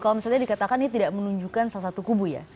kalau misalnya dikatakan ini tidak menunjukkan salah satu kubu ya